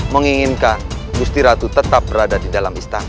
menginginkan gusti ratu tetap berada di dalam istana